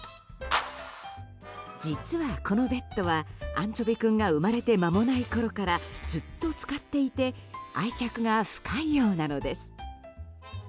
実はこのベッドはアンチョビ君が生まれて間もないころからずっと使っていて愛着が深いようなのです。